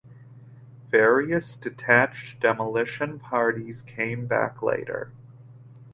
Various detached demolition parties came back later.